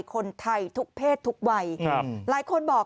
คนไทยทุกเพศทุกวัย